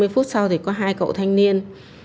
một mươi năm hai mươi phút sau thì có hai cậu thanh niên